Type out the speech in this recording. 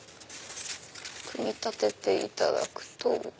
組み立てていただくと。